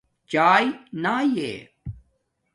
چایے ناݵے